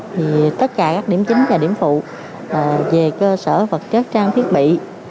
thì tất cả các điểm chính và điểm phụ về cơ sở vật chất trang thiết bị